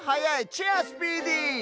チェアスピーディー！